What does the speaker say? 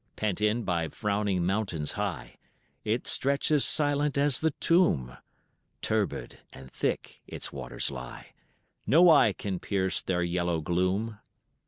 Pent in by frowning mountains high, It stretches silent as the tomb, Turbid and thick its waters lie, No eye can pierce their yellow gloom.